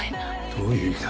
どういう意味だ？